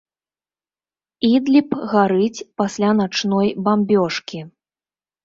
Ідліб гарыць пасля начной бамбёжкі.